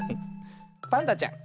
パンダちゃん